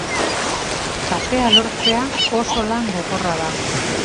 Kafea lortzea oso lan gogorra da.